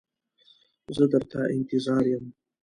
زه در ته انتظار یم.